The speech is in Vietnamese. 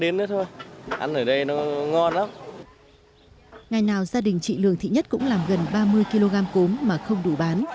ngày nào gia đình chị lường thị nhất cũng làm gần ba mươi kg cốm mà không đủ bán